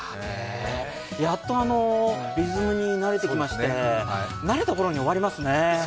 やっと、水に慣れてきまして、慣れたころに終わりますね。